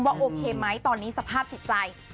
ว่าโอเคไหมตอนนี้สภาพสิทธิ์ใจ